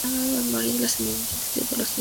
Al morir sin descendencia el título se extinguió.